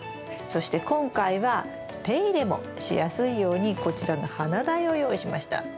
そして今回は手入れもしやすいようにこちらの花台を用意しました。